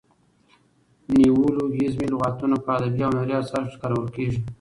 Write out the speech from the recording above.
نیولوګیزمي لغاتونه په ادبي او هنري اثارو کښي کارول کیږي.